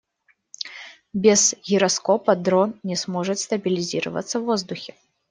Без гироскопа дрон не сможет стабилизироваться в воздухе.